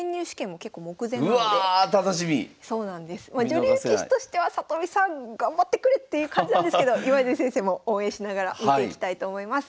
女流棋士としては里見さん頑張ってくれっていう感じなんですけど今泉先生も応援しながら見ていきたいと思います。